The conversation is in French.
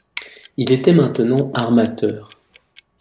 Il était maintenant armateur.